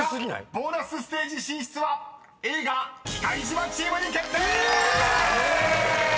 ボーナスステージ進出は映画忌怪島チームに決定！］